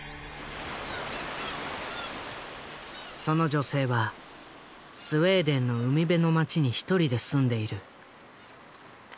その女性はスウェーデンの海辺の町に１人で住んでいる。